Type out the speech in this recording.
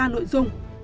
ba nội dung